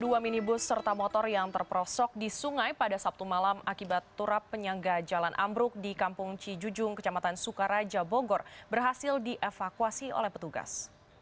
dua minibus serta motor yang terperosok di sungai pada sabtu malam akibat turap penyangga jalan ambruk di kampung cijujung kecamatan sukaraja bogor berhasil dievakuasi oleh petugas